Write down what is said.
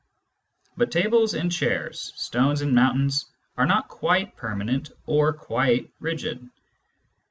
But tables and chairs, stones and mountains, are not quite permanent or quite rigid.